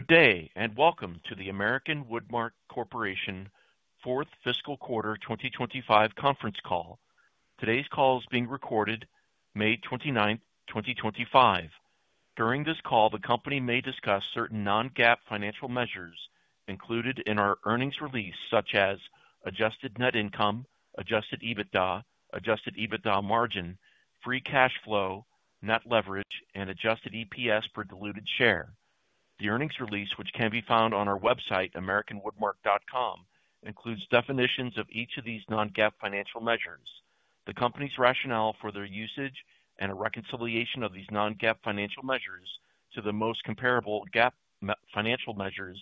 Good day and welcome to the American Woodmark Corporation fourth fiscal quarter 2025 conference call. Today's call is being recorded, May 29th, 2025. During this call, the company may discuss certain non-GAAP financial measures included in our earnings release, such as adjusted net income, adjusted EBITDA, adjusted EBITDA margin, free cash flow, net leverage, and adjusted EPS per diluted share. The earnings release, which can be found on our website, americanwoodmark.com, includes definitions of each of these non-GAAP financial measures, the company's rationale for their usage, and a reconciliation of these non-GAAP financial measures to the most comparable GAAP financial measures.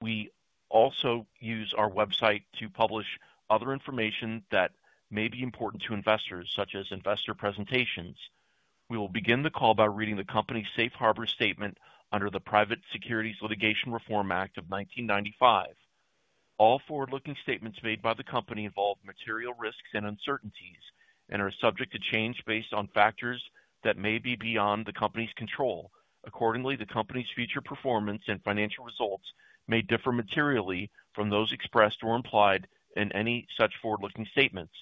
We also use our website to publish other information that may be important to investors, such as investor presentations. We will begin the call by reading the company's Safe Harbor Statement under the Private Securities Litigation Reform Act of 1995. All forward-looking statements made by the company involve material risks and uncertainties and are subject to change based on factors that may be beyond the company's control. Accordingly, the company's future performance and financial results may differ materially from those expressed or implied in any such forward-looking statements.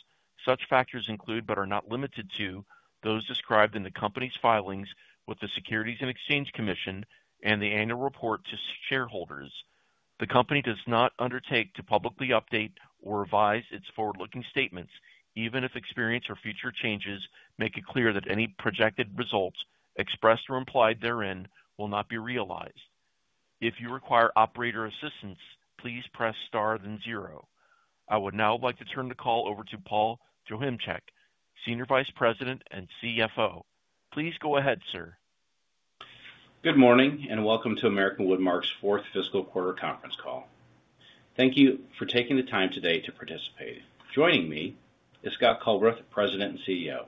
Such factors include, but are not limited to, those described in the company's filings with the Securities and Exchange Commission and the annual report to shareholders. The company does not undertake to publicly update or revise its forward-looking statements, even if experience or future changes make it clear that any projected results expressed or implied therein will not be realized. If you require operator assistance, please press star then zero. I would now like to turn the call over to Paul Joachimczyk, Senior Vice President and CFO. Please go ahead, sir. Good morning and welcome to American Woodmark's fourth fiscal quarter conference call. Thank you for taking the time today to participate. Joining me is Scott Culbreth, President and CEO.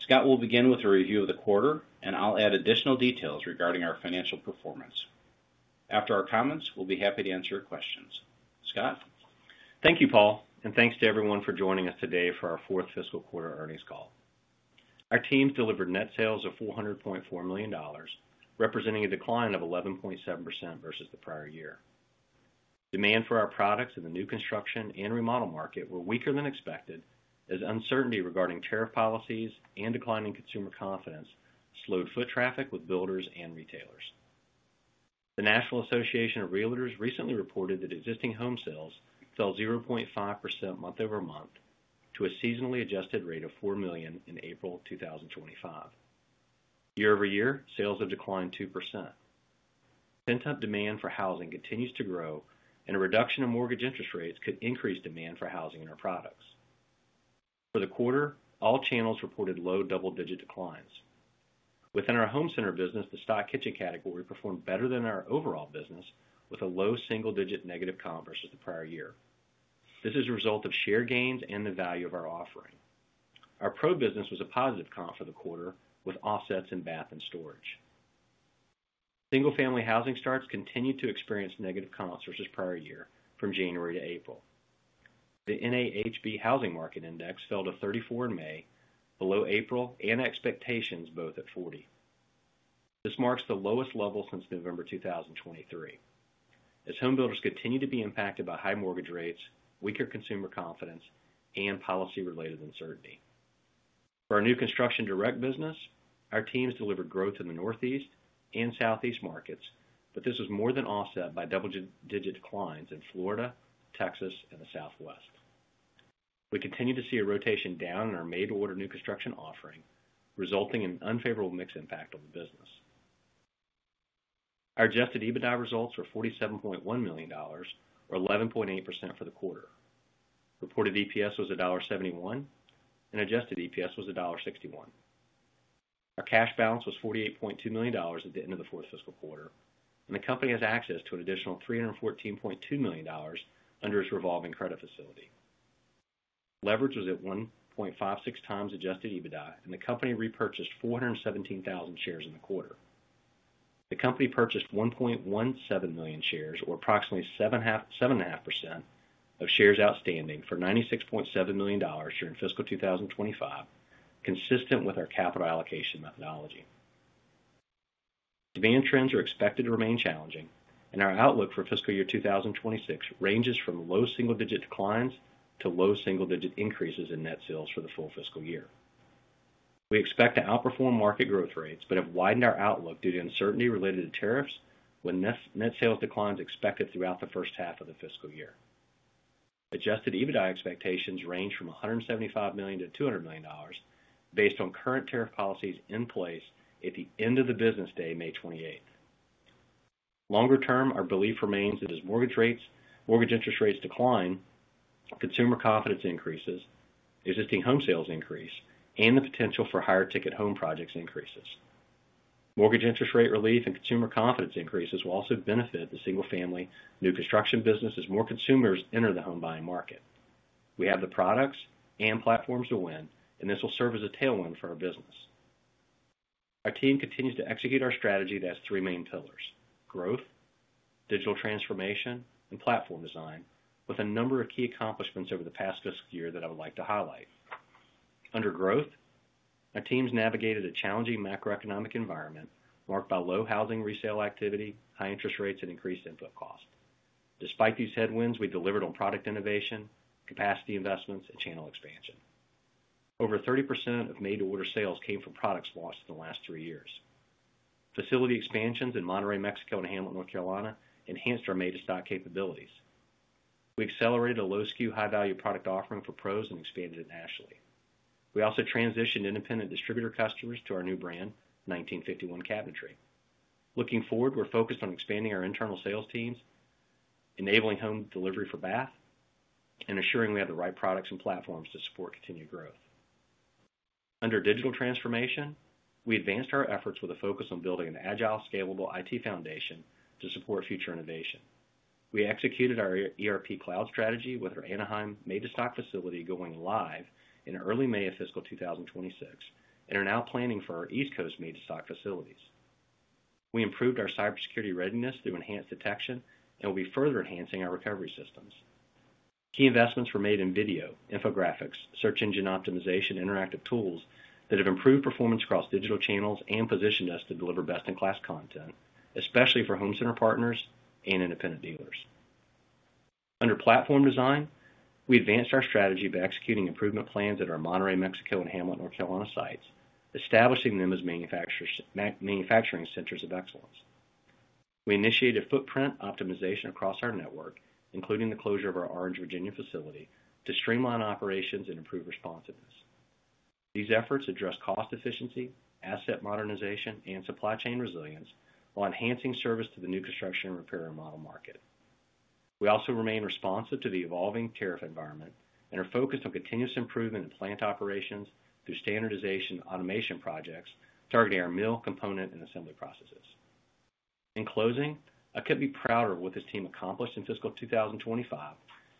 Scott will begin with a review of the quarter, and I'll add additional details regarding our financial performance. After our comments, we'll be happy to answer your questions. Scott? Thank you, Paul, and thanks to everyone for joining us today for our fourth fiscal quarter earnings call. Our teams delivered net sales of $400.4 million, representing a decline of 11.7% versus the prior year. Demand for our products in the new construction and remodel market was weaker than expected, as uncertainty regarding tariff policies and declining consumer confidence slowed foot traffic with builders and retailers. The National Association of Realtors recently reported that existing home sales fell 0.5% month-over-month to a seasonally adjusted rate of $4 million in April 2025. Year-over-year, sales have declined 2%. Pent-up demand for housing continues to grow, and a reduction in mortgage interest rates could increase demand for housing and our products. For the quarter, all channels reported low double-digit declines. Within our home center business, the stock kitchen category performed better than our overall business, with a low single-digit negative comp versus the prior year. This is a result of share gains and the value of our offering. Our pro business was a positive comp for the quarter, with offsets in bath and storage. Single-family housing starts continued to experience negative comps versus prior year from January to April. The NAHB Housing Market Index fell to 34 in May, below April and expectations, both at 40. This marks the lowest level since November 2023, as home builders continue to be impacted by high mortgage rates, weaker consumer confidence, and policy-related uncertainty. For our new construction direct business, our teams delivered growth in the Northeast and Southeast markets, but this was more than offset by double-digit declines in Florida, Texas, and the Southwest. We continue to see a rotation down in our made-to-order new construction offering, resulting in an unfavorable mixed impact on the business. Our adjusted EBITDA results were $47.1 million, or 11.8% for the quarter. Reported EPS was $1.71, and adjusted EPS was $1.61. Our cash balance was $48.2 million at the end of the fourth fiscal quarter, and the company has access to an additional $314.2 million under its revolving credit facility. Leverage was at 1.56x adjusted EBITDA, and the company repurchased 417,000 shares in the quarter. The company purchased 1.17 million shares, or approximately 7.5% of shares outstanding, for $96.7 million during fiscal 2025, consistent with our capital allocation methodology. Demand trends are expected to remain challenging, and our outlook for fiscal year 2026 ranges from low single-digit declines to low single-digit increases in net sales for the full fiscal year. We expect to outperform market growth rates but have widened our outlook due to uncertainty related to tariffs when net sales declines are expected throughout the first half of the fiscal year. Adjusted EBITDA expectations range from $175 million-$200 million, based on current tariff policies in place at the end of the business day, May 28th. Longer term, our belief remains that as mortgage interest rates decline, consumer confidence increases, existing home sales increase, and the potential for higher-ticket home projects increases. Mortgage interest rate relief and consumer confidence increases will also benefit the single-family new construction business as more consumers enter the home buying market. We have the products and platforms to win, and this will serve as a tailwind for our business. Our team continues to execute our strategy that has three main pillars: growth, digital transformation, and platform design, with a number of key accomplishments over the past fiscal year that I would like to highlight. Under growth, our teams navigated a challenging macroeconomic environment marked by low housing resale activity, high interest rates, and increased input costs. Despite these headwinds, we delivered on product innovation, capacity investments, and channel expansion. Over 30% of made-to-order sales came from products launched in the last three years. Facility expansions in Monterrey, Mexico, and Hamlet, North Carolina, enhanced our made-to-stock capabilities. We accelerated a low-skew, high-value product offering for pros and expanded it nationally. We also transitioned independent distributor customers to our new brand, 1951 Cabinetry. Looking forward, we're focused on expanding our internal sales teams, enabling home delivery for bath, and ensuring we have the right products and platforms to support continued growth. Under digital transformation, we advanced our efforts with a focus on building an agile, scalable IT foundation to support future innovation. We executed our ERP cloud strategy with our Anaheim made-to-stock facility going live in early May of fiscal 2026, and are now planning for our East Coast made-to-stock facilities. We improved our cybersecurity readiness through enhanced detection and will be further enhancing our recovery systems. Key investments were made in video, infographics, search engine optimization, and interactive tools that have improved performance across digital channels and positioned us to deliver best-in-class content, especially for home center partners and independent dealers. Under platform design, we advanced our strategy by executing improvement plans at our Monterrey, Mexico, and Hamlet, North Carolina sites, establishing them as manufacturing centers of excellence. We initiated footprint optimization across our network, including the closure of our Orange, Virginia facility, to streamline operations and improve responsiveness. These efforts address cost efficiency, asset modernization, and supply chain resilience while enhancing service to the new construction and repair and remodel market. We also remain responsive to the evolving tariff environment and are focused on continuous improvement in plant operations through standardization and automation projects targeting our mill component and assembly processes. In closing, I could not be prouder of what this team accomplished in fiscal 2025,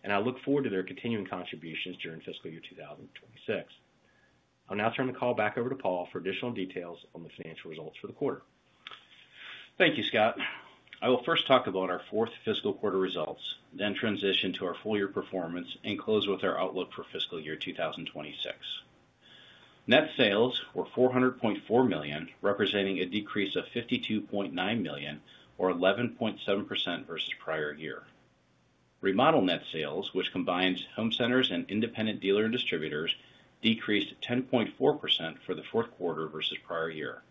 and I look forward to their continuing contributions during fiscal year 2026. I will now turn the call back over to Paul for additional details on the financial results for the quarter. Thank you, Scott. I will first talk about our fourth fiscal quarter results, then transition to our full-year performance, and close with our outlook for fiscal year 2026. Net sales were $400.4 million, representing a decrease of $52.9 million, or 11.7% versus prior year. Remodel net sales, which combines home centers and independent dealer and distributors, decreased 10.4% for the fourth quarter versus prior year,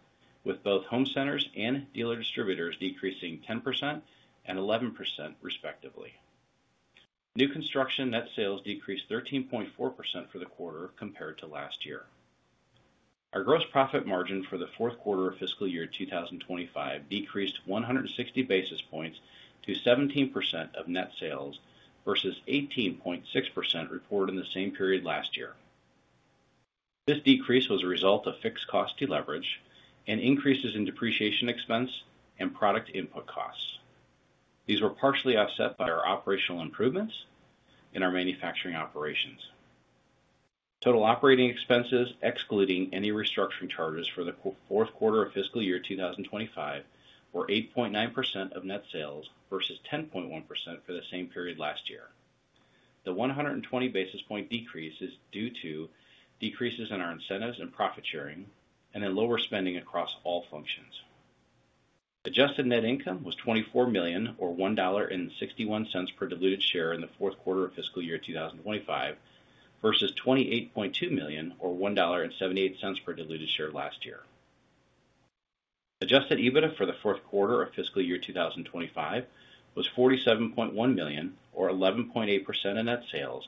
with both home centers and dealer distributors decreasing 10% and 11%, respectively. New construction net sales decreased 13.4% for the quarter compared to last year. Our gross profit margin for the fourth quarter of fiscal year 2025 decreased 160 basis points to 17% of net sales versus 18.6% reported in the same period last year. This decrease was a result of fixed cost de-leverage and increases in depreciation expense and product input costs. These were partially offset by our operational improvements in our manufacturing operations. Total operating expenses, excluding any restructuring charges for the fourth quarter of fiscal year 2025, were 8.9% of net sales versus 10.1% for the same period last year. The 120 basis point decrease is due to decreases in our incentives and profit sharing and in lower spending across all functions. Adjusted net income was $24 million, or $1.61 per diluted share in the fourth quarter of fiscal year 2025, versus $28.2 million, or $1.78 per diluted share last year. Adjusted EBITDA for the fourth quarter of fiscal year 2025 was $47.1 million, or 11.8% of net sales,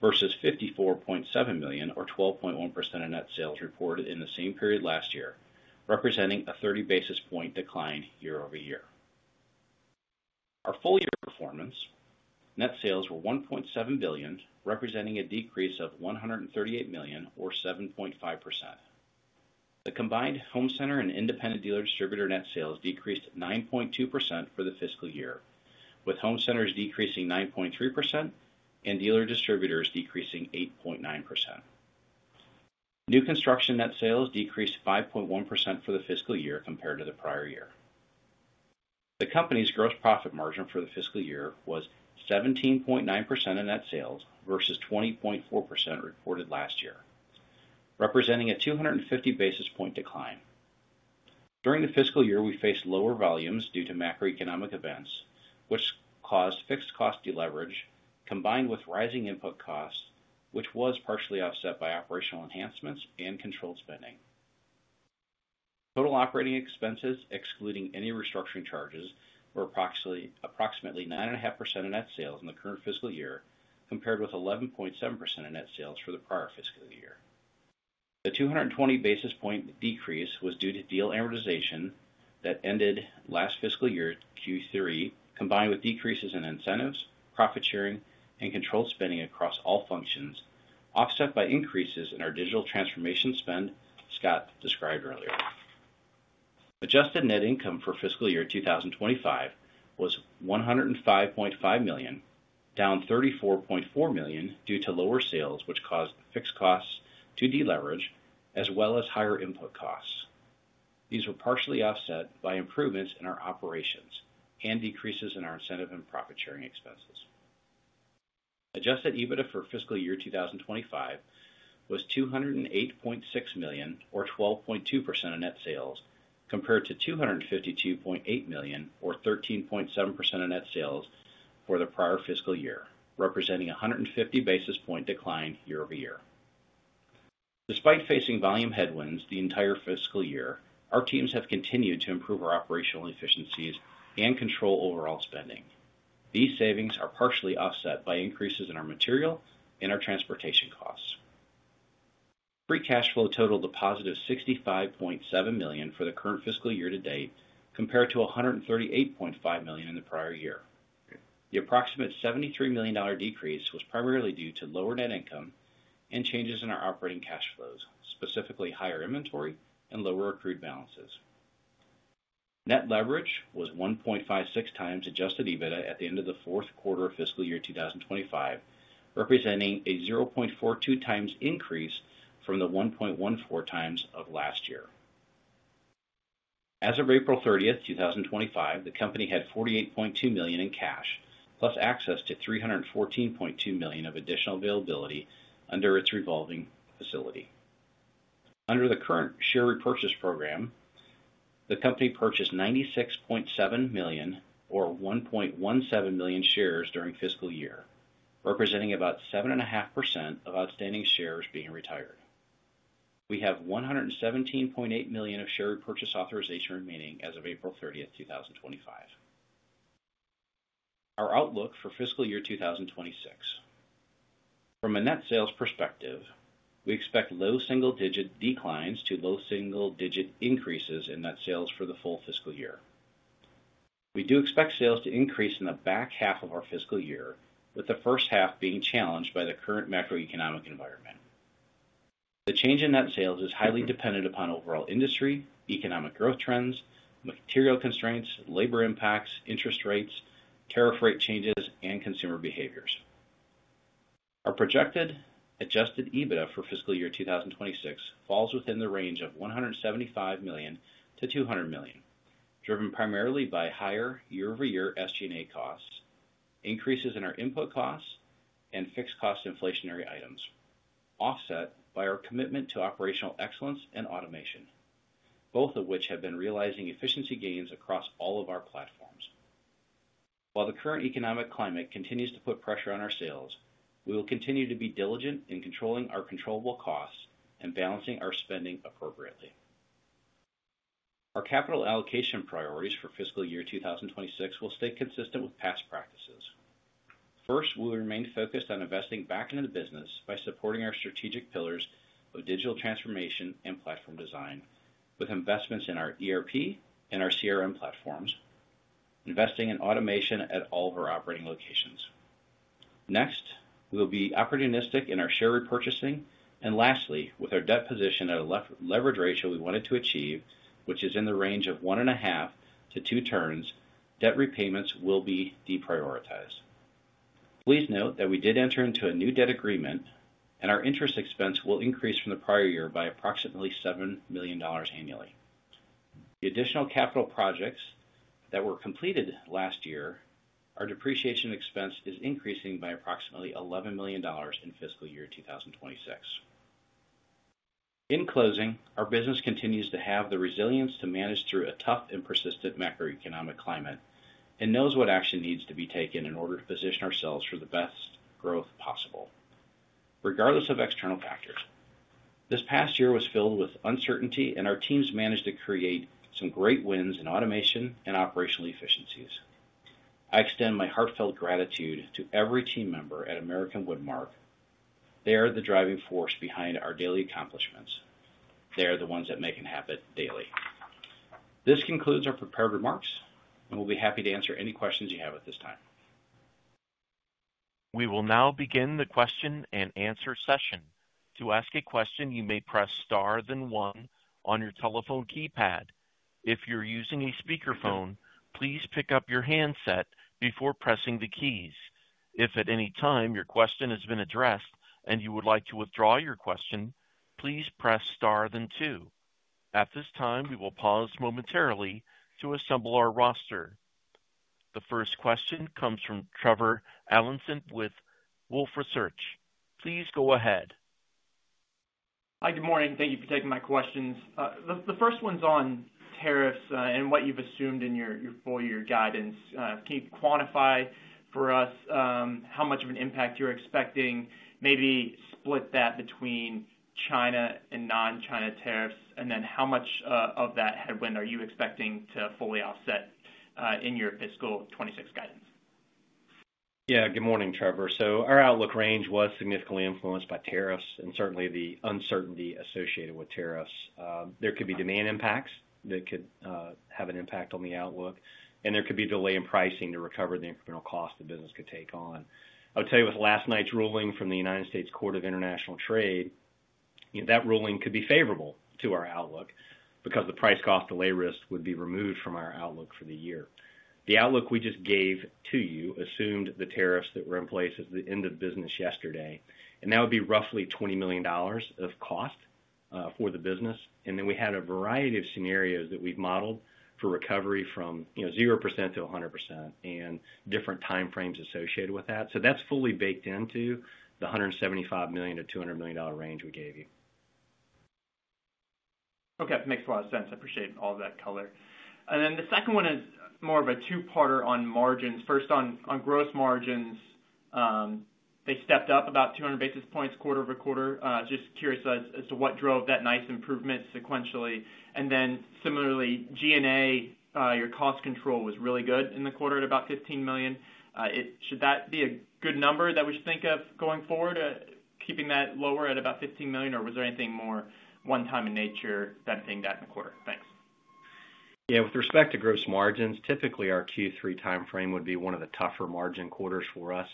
versus $54.7 million, or 12.1% of net sales reported in the same period last year, representing a 30 basis point decline year-over-year. Our full-year performance net sales were $1.7 billion, representing a decrease of $138 million, or 7.5%. The combined home center and independent dealer-distributor net sales decreased 9.2% for the fiscal year, with home centers decreasing 9.3% and dealer-distributors decreasing 8.9%. New construction net sales decreased 5.1% for the fiscal year compared to the prior year. The company's gross profit margin for the fiscal year was 17.9% of net sales versus 20.4% reported last year, representing a 250 basis point decline. During the fiscal year, we faced lower volumes due to macroeconomic events, which caused fixed cost de-leverage combined with rising input costs, which was partially offset by operational enhancements and controlled spending. Total operating expenses, excluding any restructuring charges, were approximately 9.5% of net sales in the current fiscal year, compared with 11.7% of net sales for the prior fiscal year. The 220 basis point decrease was due to deal amortization that ended last fiscal year, Q3, combined with decreases in incentives, profit sharing, and controlled spending across all functions, offset by increases in our digital transformation spend, Scott described earlier. Adjusted net income for fiscal year 2025 was $105.5 million, down $34.4 million due to lower sales, which caused fixed costs to de-leverage, as well as higher input costs. These were partially offset by improvements in our operations and decreases in our incentive and profit sharing expenses. Adjusted EBITDA for fiscal year 2025 was $208.6 million, or 12.2% of net sales, compared to $252.8 million, or 13.7% of net sales for the prior fiscal year, representing a 150 basis point decline year-over-year. Despite facing volume headwinds the entire fiscal year, our teams have continued to improve our operational efficiencies and control overall spending. These savings are partially offset by increases in our material and our transportation costs. Free cash flow totaled $65.7 million for the current fiscal year to date compared to $138.5 million in the prior year. The approximate $73 million decrease was primarily due to lower net income and changes in our operating cash flows, specifically higher inventory and lower accrued balances. Net leverage was 1.56x adjusted EBITDA at the end of the fourth quarter of fiscal year 2025, representing a 0.42x increase from the 1.14x of last year. As of April 30, 2025, the company had $48.2 million in cash, plus access to $314.2 million of additional availability under its revolving facility. Under the current share repurchase program, the company purchased $96.7 million, or 1.17 million shares, during fiscal year, representing about 7.5% of outstanding shares being retired. We have $117.8 million of share repurchase authorization remaining as of April 30, 2025. Our outlook for fiscal year 2026. From a net sales perspective, we expect low single-digit declines to low single-digit increases in net sales for the full fiscal year. We do expect sales to increase in the back half of our fiscal year, with the first half being challenged by the current macroeconomic environment. The change in net sales is highly dependent upon overall industry, economic growth trends, material constraints, labor impacts, interest rates, tariff rate changes, and consumer behaviors. Our projected adjusted EBITDA for fiscal year 2026 falls within the range of $175 million-$200 million, driven primarily by higher year-over-year SG&A costs, increases in our input costs, and fixed-cost inflationary items, offset by our commitment to operational excellence and automation, both of which have been realizing efficiency gains across all of our platforms. While the current economic climate continues to put pressure on our sales, we will continue to be diligent in controlling our controllable costs and balancing our spending appropriately. Our capital allocation priorities for fiscal year 2026 will stay consistent with past practices. First, we will remain focused on investing back into the business by supporting our strategic pillars of digital transformation and platform design, with investments in our ERP and our CRM platforms, investing in automation at all of our operating locations. Next, we will be opportunistic in our share repurchasing, and lastly, with our debt position at a leverage ratio we wanted to achieve, which is in the range of 1.5-2 turns, debt repayments will be deprioritized. Please note that we did enter into a new debt agreement, and our interest expense will increase from the prior year by approximately $7 million annually. The additional capital projects that were completed last year, our depreciation expense is increasing by approximately $11 million in fiscal year 2026. In closing, our business continues to have the resilience to manage through a tough and persistent macroeconomic climate and knows what action needs to be taken in order to position ourselves for the best growth possible, regardless of external factors. This past year was filled with uncertainty, and our teams managed to create some great wins in automation and operational efficiencies. I extend my heartfelt gratitude to every team member at American Woodmark. They are the driving force behind our daily accomplishments. They are the ones that make it happen daily. This concludes our prepared remarks, and we'll be happy to answer any questions you have at this time. We will now begin the question and answer session. To ask a question, you may press star then one on your telephone keypad. If you're using a speakerphone, please pick up your handset before pressing the keys. If at any time your question has been addressed and you would like to withdraw your question, please press star then two. At this time, we will pause momentarily to assemble our roster. The first question comes from Trevor Allinson with Wolfe Research. Please go ahead. Hi, good morning. Thank you for taking my questions. The first one's on tariffs and what you've assumed in your full-year guidance. Can you quantify for us how much of an impact you're expecting, maybe split that between China and non-China tariffs, and then how much of that headwind are you expecting to fully offset in your fiscal 2026 guidance? Yeah, good morning, Trevor. So our outlook range was significantly influenced by tariffs and certainly the uncertainty associated with tariffs. There could be demand impacts that could have an impact on the outlook, and there could be delay in pricing to recover the incremental cost the business could take on. I'll tell you with last night's ruling from the United States Court of International Trade, that ruling could be favorable to our outlook because the price cost delay risk would be removed from our outlook for the year. The outlook we just gave to you assumed the tariffs that were in place at the end of business yesterday, and that would be roughly $20 million of cost for the business. And then we had a variety of scenarios that we've modeled for recovery from 0% to 100% and different time frames associated with that. So that's fully baked into the $175 million-$200 million range we gave you. Okay, makes a lot of sense. I appreciate all that color. The second one is more of a two-parter on margins. First, on gross margins, they stepped up about 200 basis points quarter-over-quarter. Just curious as to what drove that nice improvement sequentially. Similarly, G&A, your cost control was really good in the quarter at about $15 million. Should that be a good number that we should think of going forward, keeping that lower at about $15 million, or was there anything more one-time in nature that being that in the quarter? Thanks. Yeah, with respect to gross margins, typically our Q3 time frame would be one of the tougher margin quarters for us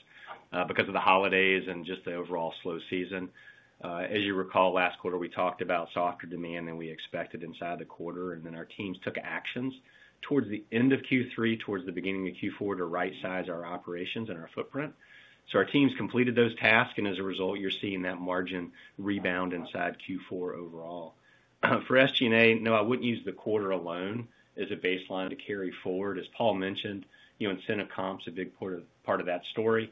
because of the holidays and just the overall slow season. As you recall, last quarter we talked about softer demand than we expected inside the quarter, and then our teams took actions towards the end of Q3, towards the beginning of Q4 to right-size our operations and our footprint. Our teams completed those tasks, and as a result, you're seeing that margin rebound inside Q4 overall. For SG&A, no, I wouldn't use the quarter alone as a baseline to carry forward. As Paul mentioned, incentive comps is a big part of that story.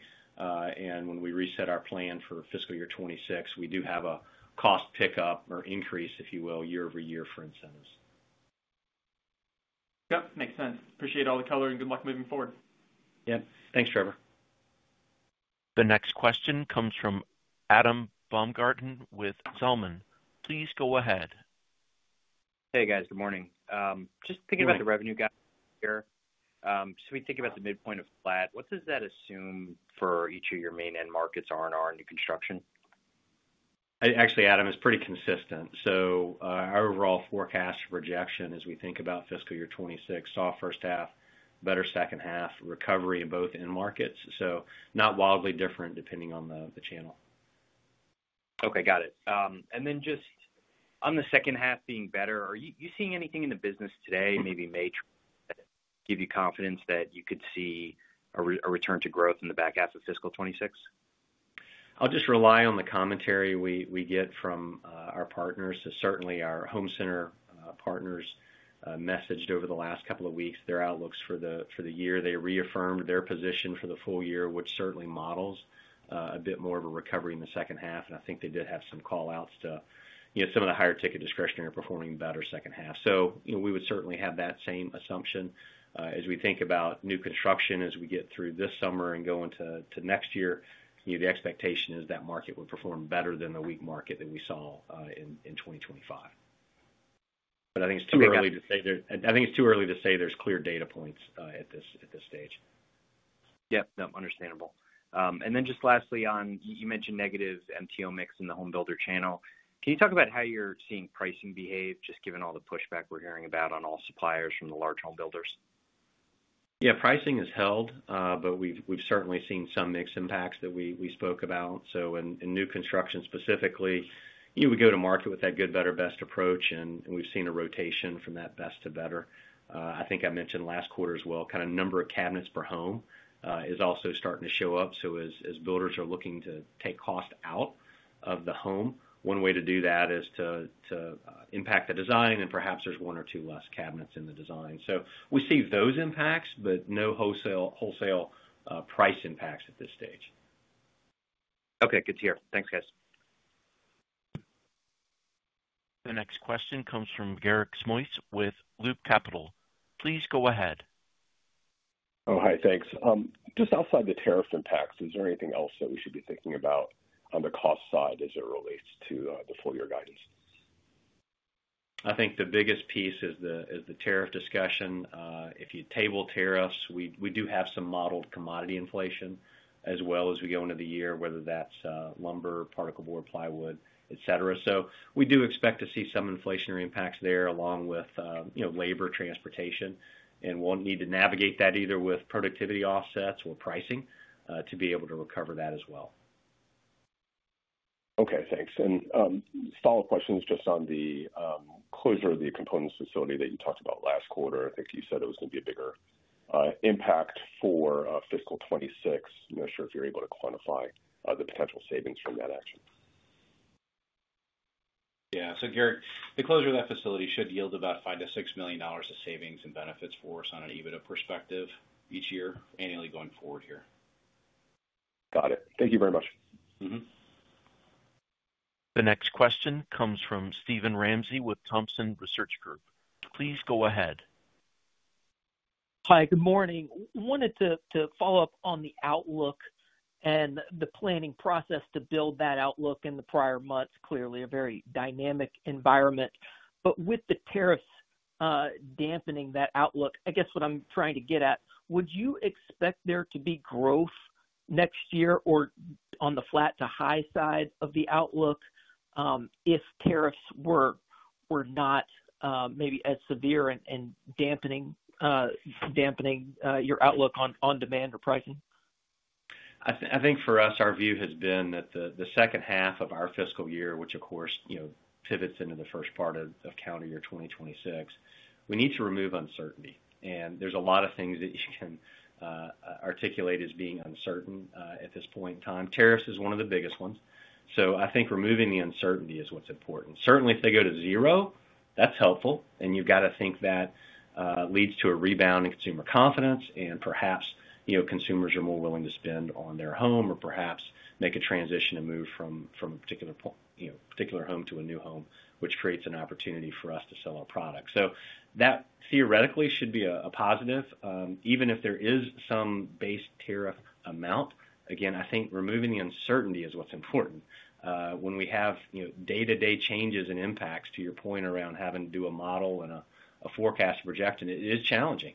When we reset our plan for fiscal year 2026, we do have a cost pickup or increase, if you will, year-over-year for incentives. Yep, makes sense. Appreciate all the color and good luck moving forward. Yep, thanks, Trevor. The next question comes from Adam Baumgarten with Zelman. Please go ahead. Hey guys, good morning. Just thinking about the revenue gap here, so we think about the midpoint of flat, what does that assume for each of your main end markets, R&R, and new construction? Actually, Adam, it's pretty consistent. So our overall forecast projection, as we think about fiscal year 2026, softer staff, better second half, recovery in both end markets. So not wildly different depending on the channel. Okay, got it. And then just on the second half being better, are you seeing anything in the business today, maybe may, that gives you confidence that you could see a return to growth in the back half of fiscal 2026? I'll just rely on the commentary we get from our partners. So certainly our home center partners messaged over the last couple of weeks their outlooks for the year. They reaffirmed their position for the full year, which certainly models a bit more of a recovery in the second half. I think they did have some callouts to some of the higher ticket discretionary performing better second half. We would certainly have that same assumption as we think about new construction as we get through this summer and go into next year. The expectation is that market would perform better than the weak market that we saw in 2025. I think it's too early to say there's clear data points at this stage. Yep, yep, understandable. Lastly, on, you mentioned negative MTO mix in the home builder channel. Can you talk about how you're seeing pricing behave, just given all the pushback we're hearing about on all suppliers from the large home builders? Yeah, pricing has held, but we've certainly seen some mixed impacts that we spoke about. In new construction specifically, we go to market with that good, better, best approach, and we've seen a rotation from that best to better. I think I mentioned last quarter as well, kind of number of cabinets per home is also starting to show up. As builders are looking to take cost out of the home, one way to do that is to impact the design, and perhaps there's one or two less cabinets in the design. We see those impacts, but no wholesale price impacts at this stage. Okay, good to hear. Thanks, guys. The next question comes from Garik Shmois with Loop Capital. Please go ahead. Oh, hi, thanks. Just outside the tariff impacts, is there anything else that we should be thinking about on the cost side as it relates to the full-year guidance? I think the biggest piece is the tariff discussion. If you table tariffs, we do have some modeled commodity inflation as well as we go into the year, whether that's lumber, particle board, plywood, etc. We do expect to see some inflationary impacts there along with labor, transportation, and we'll need to navigate that either with productivity offsets or pricing to be able to recover that as well. Okay, thanks. Follow-up questions just on the closure of the components facility that you talked about last quarter. I think you said it was going to be a bigger impact for fiscal 2026. Not sure if you're able to quantify the potential savings from that action. Yeah, so Garik, the closure of that facility should yield about $5-$6 million of savings and benefits for us on an EBITDA perspective each year, annually going forward here. Got it. Thank you very much. The next question comes from Steven Ramsey with Thompson Research Group. Please go ahead. Hi, good morning. Wanted to follow up on the outlook and the planning process to build that outlook in the prior months. Clearly, a very dynamic environment. With the tariffs dampening that outlook, I guess what I'm trying to get at, would you expect there to be growth next year or on the flat to high side of the outlook if tariffs were not maybe as severe and dampening your outlook on demand or pricing? I think for us, our view has been that the second half of our fiscal year, which of course pivots into the first part of calendar year 2026, we need to remove uncertainty. And there's a lot of things that you can articulate as being uncertain at this point in time. Tariffs is one of the biggest ones. I think removing the uncertainty is what's important. Certainly, if they go to zero, that's helpful. You've got to think that leads to a rebound in consumer confidence and perhaps consumers are more willing to spend on their home or perhaps make a transition and move from a particular home to a new home, which creates an opportunity for us to sell our product. That theoretically should be a positive, even if there is some base tariff amount. Again, I think removing the uncertainty is what's important. When we have day-to-day changes and impacts, to your point around having to do a model and a forecast projection, it is challenging.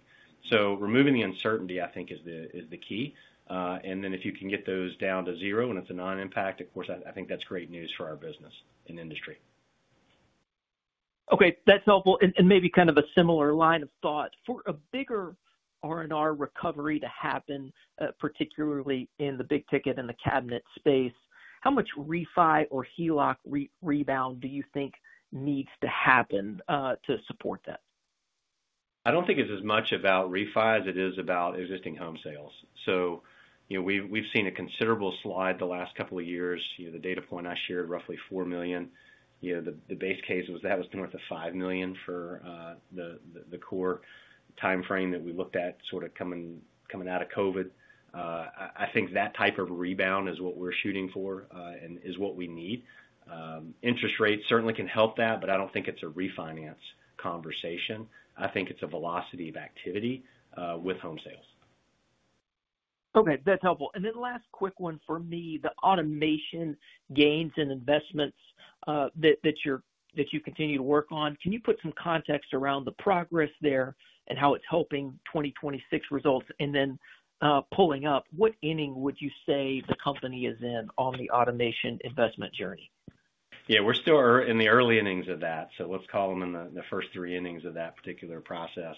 Removing the uncertainty, I think, is the key. If you can get those down to zero and it's a non-impact, of course, I think that's great news for our business and industry. Okay, that's helpful. Maybe kind of a similar line of thought. For a bigger R&R recovery to happen, particularly in the big ticket and the cabinet space, how much refi or HELOC rebound do you think needs to happen to support that? I don't think it's as much about refi as it is about existing home sales. We've seen a considerable slide the last couple of years. The data point I shared, roughly $4 million. The base case was that was north of $5 million for the core time frame that we looked at sort of coming out of COVID. I think that type of rebound is what we're shooting for and is what we need. Interest rates certainly can help that, but I do not think it's a refinance conversation. I think it's a velocity of activity with home sales. Okay, that's helpful. And then last quick one for me, the automation gains and investments that you continue to work on. Can you put some context around the progress there and how it's helping 2026 results? And then pulling up, what inning would you say the company is in on the automation investment journey? Yeah, we're still in the early innings of that. So let's call them in the first three innings of that particular process.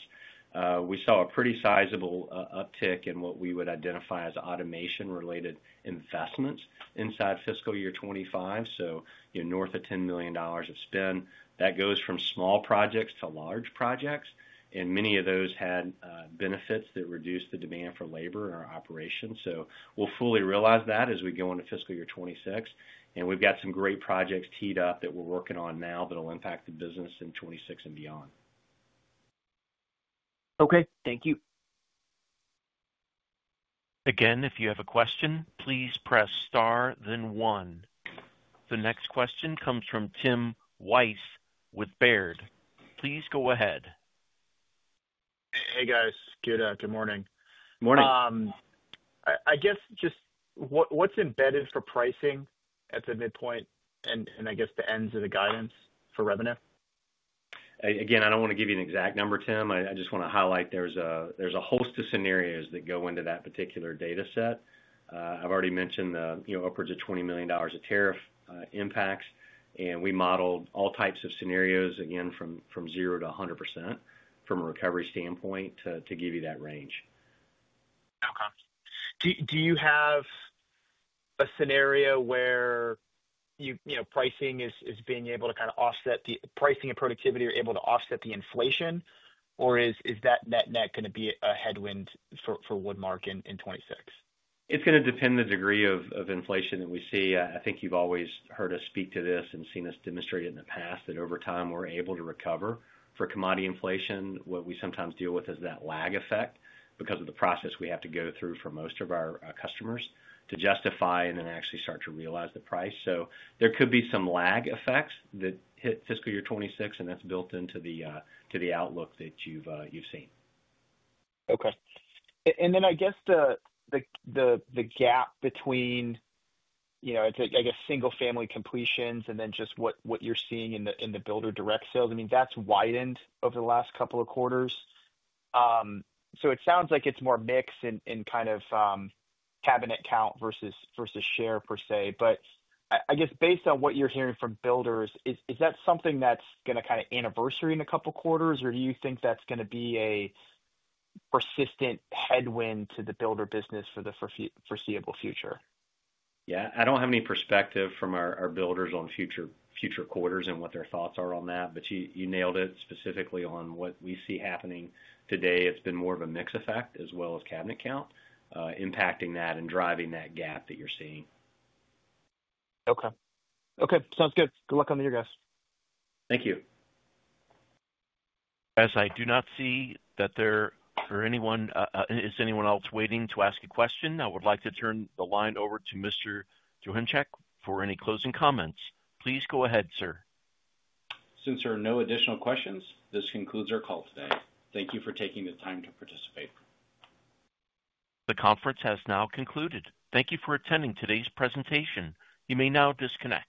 We saw a pretty sizable uptick in what we would identify as automation-related investments inside fiscal year 2025. So north of $10 million of spend. That goes from small projects to large projects. And many of those had benefits that reduced the demand for labor in our operation. So we'll fully realize that as we go into fiscal year 2026. And we've got some great projects teed up that we're working on now that will impact the business in 2026 and beyond. Okay, thank you. Again, if you have a question, please press star, then one. The next question comes from Tim Wojs with Baird. Please go ahead. Hey guys, good morning. Morning. I guess just what's embedded for pricing at the midpoint and I guess the ends of the guidance for revenue? Again, I don't want to give you an exact number, Tim. I just want to highlight there's a host of scenarios that go into that particular data set. I've already mentioned upwards of $20 million of tariff impacts. And we modeled all types of scenarios, again, from zero to 100% from a recovery standpoint to give you that range. Okay. Do you have a scenario where pricing is being able to kind of offset the pricing and productivity are able to offset the inflation, or is that net-net going to be a headwind for Woodmark in 2026? It's going to depend the degree of inflation that we see. I think you've always heard us speak to this and seen us demonstrate it in the past that over time we're able to recover. For commodity inflation, what we sometimes deal with is that lag effect because of the process we have to go through for most of our customers to justify and then actually start to realize the price. There could be some lag effects that hit fiscal year 2026, and that's built into the outlook that you've seen. Okay. I guess the gap between, it's like single-family completions and then just what you're seeing in the builder direct sales. I mean, that's widened over the last couple of quarters. It sounds like it's more mixed in kind of cabinet count versus share per se. I guess based on what you're hearing from builders, is that something that's going to kind of anniversary in a couple of quarters, or do you think that's going to be a persistent headwind to the builder business for the foreseeable future? Yeah, I do not have any perspective from our builders on future quarters and what their thoughts are on that. You nailed it specifically on what we see happening today. It has been more of a mixed effect as well as cabinet count impacting that and driving that gap that you are seeing. Okay. Okay, sounds good. Good luck on the year, guys. Thank you. Guys, I do not see that there is anyone else waiting to ask a question. I would like to turn the line over to Mr. Joachimczyk for any closing comments. Please go ahead, sir. Since there are no additional questions, this concludes our call today. Thank you for taking the time to participate. The conference has now concluded. Thank you for attending today's presentation. You may now disconnect.